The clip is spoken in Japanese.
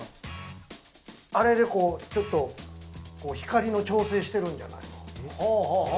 あれで光の調整してるんじゃないの？